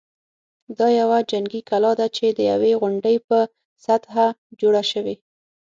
دا یوه جنګي کلا ده چې د یوې غونډۍ په سطحه جوړه شوې.